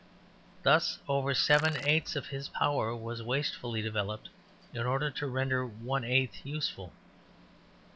Thus over seven eighths of his power was wastefully developed in order to render one eighth useful.